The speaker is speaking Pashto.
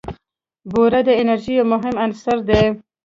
بوره د انرژۍ یو مهم عنصر دی.